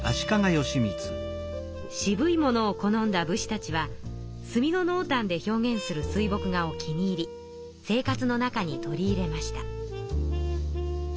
しぶいものを好んだ武士たちは墨ののうたんで表現する水墨画を気に入り生活の中に取り入れました。